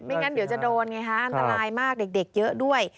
งั้นเดี๋ยวจะโดนไงฮะอันตรายมากเด็กเยอะด้วย